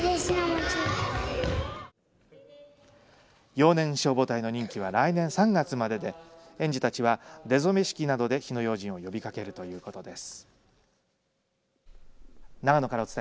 幼年消防隊の任期は来年３月までで園児たちは出初め式などで火の用心を呼びかけるということです。